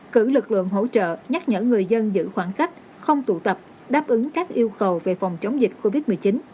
cử lực lượng hỗ trợ nhắc nhở người dân giữ khoảng cách không tụ tập đáp ứng các yêu cầu về phòng chống dịch covid một mươi chín